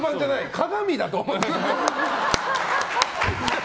鏡だと思って。